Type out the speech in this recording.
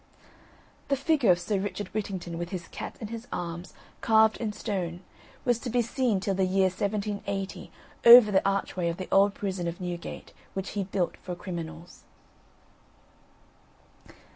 The figure of Sir Richard Whittington with his cat in his arms, carved in stone, was to be seen till the year 1780 over the archway of the old prison of Newgate, which he built for criminals.